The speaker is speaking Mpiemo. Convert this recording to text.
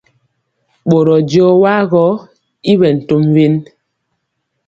Ɓorɔ jɔɔ wa gɔ i ɓɛ tom wen.